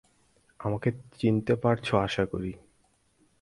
আমাকে চিনতে পারছ আশা করি।